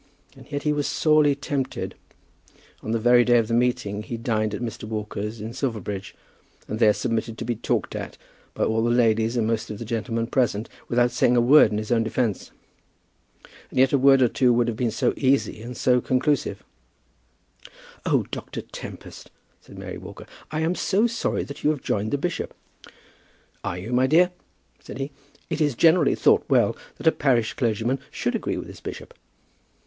And yet he was sorely tempted. On the very day of the meeting he dined at Mr. Walker's in Silverbridge, and there submitted to be talked at by all the ladies and most of the gentlemen present, without saying a word in his own defence. And yet a word or two would have been so easy and so conclusive. "Oh, Dr. Tempest," said Mary Walker, "I am so sorry that you have joined the bishop." "Are you, my dear?" said he. "It is generally thought well that a parish clergyman should agree with his bishop."